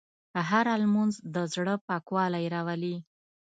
هره لمونځ د زړه پاکوالی راولي.